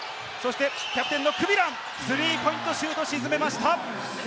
キャプテンのクビラン、スリーポイントシュートを沈めました。